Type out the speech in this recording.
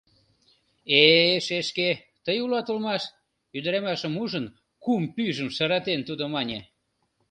— Э-э, шешке, тый улат улмаш, — ӱдырамашым ужын, кум пӱйжым шыратен, тудо мане.